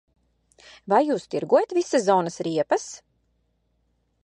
Vai jūs tirgojat vissezonas riepas?